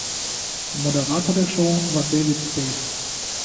Moderator der Show war David Spade.